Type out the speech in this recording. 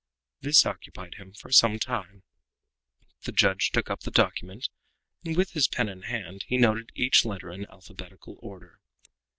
This occupied him for some time. The judge took up the document, and, with his pen in his hand, he noted each letter in alphabetical order.